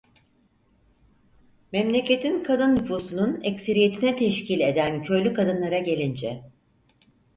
Memleketin kadın nüfusunun ekseriyetini teşkil eden köylü kadınlarına gelince: